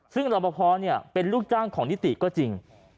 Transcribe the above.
ซึ่งรอปภเป็นลูกจ้างของนิติก็จริง